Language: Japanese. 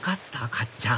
かっちゃん